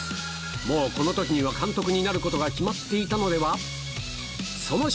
もうこのときには監督になることが決まっていたのでは？